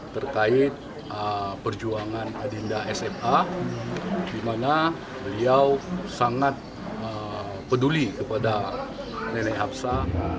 terkait perjuangan adinda sma di mana beliau sangat peduli kepada nenek absa